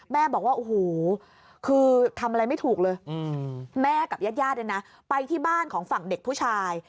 บอกว่าโอ้โหคือทำอะไรไม่ถูกเลยแม่กับญาติญาติเนี่ยนะไปที่บ้านของฝั่งเด็กผู้ชาย